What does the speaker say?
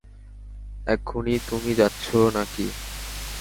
এখুনি তুমি যাচ্ছ না কি?